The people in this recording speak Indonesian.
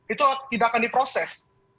itu tidak akan diproses